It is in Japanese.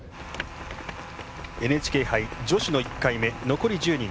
ＮＨＫ杯、女子の１回目残り１０人。